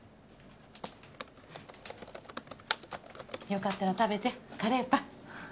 よかったら食べてカレーパン。